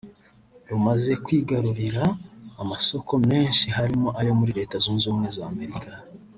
rumaze kwigarurira amasoko menshi harimo ayo muri Leta Zunze Ubumwe za Amerika